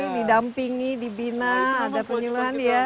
didampingi dibina ada penyuluhan ya